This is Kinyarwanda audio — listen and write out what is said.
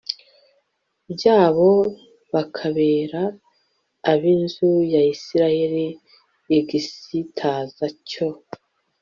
byabo bakabera ab inzu ya Isirayeli igisitaza cyo